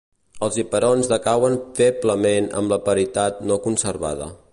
Els hiperons decauen feblement amb la paritat no conservada.